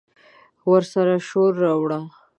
ورسره شور، راوړه